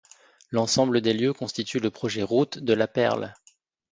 L'ensemble des lieux constitue le projet Route de la Perle.